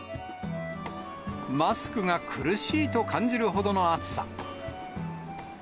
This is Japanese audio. マスクが苦しいと感じるほどの暑さ。